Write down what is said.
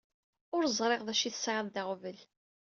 Ur ẓriɣ d acu i tesɛiḍ d aɣbel.